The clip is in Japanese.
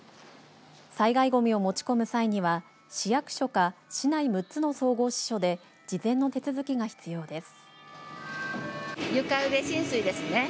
災害ごみを持ち込む際には市役所か市内６つの総合支所で事前の手続きが必要です。